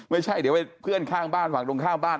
ไม่ใช่เดี๋ยวไปเพื่อนข้างบ้านฝั่งตรงข้ามบ้าน